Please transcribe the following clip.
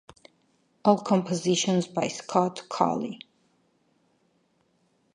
All compositions by Scott Colley